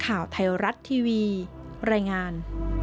ข่าวไทยรัฐทีวีรายงาน